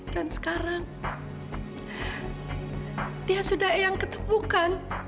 dan sekarang dia sudah ayang ketemukan